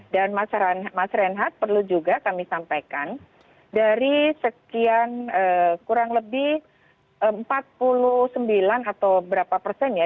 dan mas renhat perlu juga kami sampaikan dari sekian kurang lebih empat puluh sembilan atau berapa persen ya